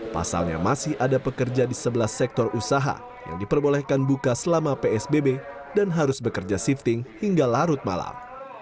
pasalnya masih ada pekerja di sebelah sektor usaha yang diperbolehkan buka selama psbb dan harus bekerja shifting hingga larut malam